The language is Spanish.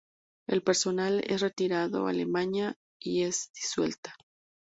El personal es retirado a Alemania, y es disuelta.